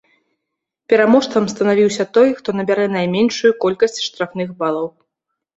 Пераможцам станавіўся той, хто набярэ найменшую колькасць штрафных балаў.